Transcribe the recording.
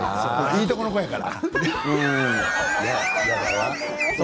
いいとこの子やから。